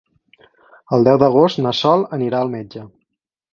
El deu d'agost na Sol anirà al metge.